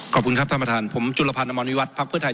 ขอบคุณครับท่านประธานผมจุลภัณฑ์อำมวลวิวัฒน์ภักดิ์เพื่อไทย